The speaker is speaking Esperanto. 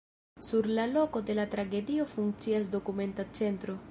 Sur la loko de la tragedio funkcias dokumenta centro.